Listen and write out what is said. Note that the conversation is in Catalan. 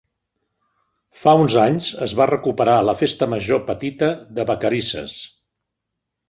Fa uns anys es va recuperar la Festa Major petita de Vacarisses.